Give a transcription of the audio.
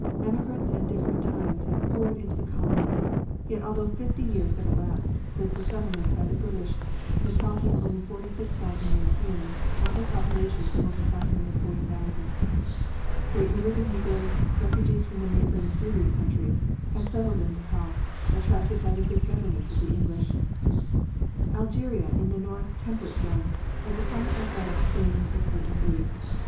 Emigrants at different times have poured into the Colony, yet although fifty years have elapsed since its settlement by the British, Natal has only 46,000 Europeans out of a population of over 540,000. Great numbers of Negroes, refugees from the neighboring Zulu country, have settled in Natal, attracted by the good government of the English. Algeria, in the north temperate zone, has a climate like that of Spain, Italy, and Greece.